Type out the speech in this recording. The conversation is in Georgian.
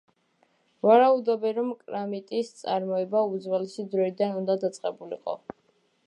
ვარაუდობენ, რომ კრამიტის წარმოება უძველესი დროიდან უნდა დაწყებულიყო.